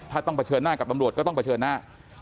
ถ้าต้องเผชิญหน้ากับตำรวจก็ต้องเผชิญหน้า